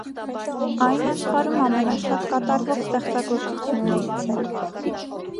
Այն աշխարհում ամենաշատ կատարվող ստեղծագործություններից է։